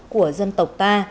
của dân tộc ta